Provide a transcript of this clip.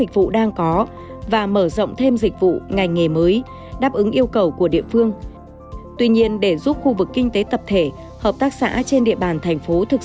cũng như là của khách hàng